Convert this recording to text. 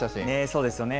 そうですよね。